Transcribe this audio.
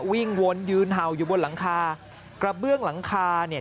วิ่งวนยืนเห่าอยู่บนหลังคากระเบื้องหลังคาเนี่ย